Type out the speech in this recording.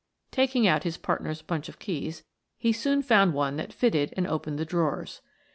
Taking out his partner's bunch of keys, he soon found one that fitted and opened the drawers.